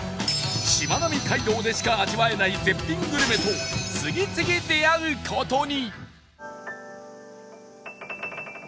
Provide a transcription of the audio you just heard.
しまなみ海道でしか味わえない絶品グルメと次々出会う事に！